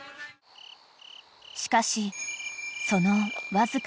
［しかしそのわずか］